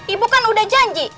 ibu kan udah janji